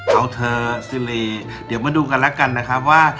เอาเธอซิรีเดี๋ยวมาดูกันแล้วกันนะครับว่า